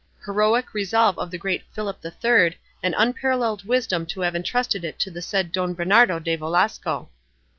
Heroic resolve of the great Philip the Third, and unparalleled wisdom to have entrusted it to the said Don Bernardino de Velasco!"